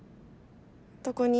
どこに？